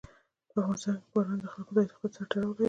په افغانستان کې باران د خلکو د اعتقاداتو سره تړاو لري.